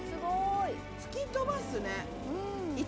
吹き飛ばすね。